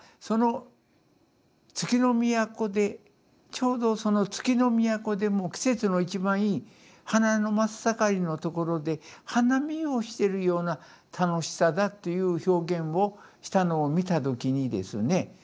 その月の都でちょうどその月の都でも季節の一番いい花の真っ盛りのところで花見をしてるような楽しさだという表現をしたのを見た時にですね